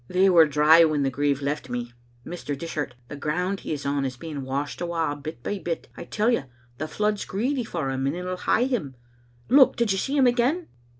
They were dry when the grieve left me. Mr. Dishart, the ground he is on is being washed awa bit by bit. I tell you, the flood's greedy for him, and it'll hae him Look, did you see him again?"